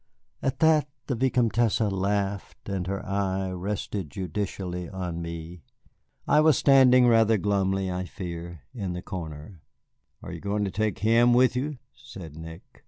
At that the Vicomtesse laughed, and her eye rested judicially on me. I was standing rather glumly, I fear, in the corner. "Are you going to take him with you?" said Nick.